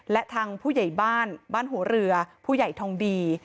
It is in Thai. และทางผู้ใหญ่บ้านบ้านหัวเรือผู้ใหญ่ทองดี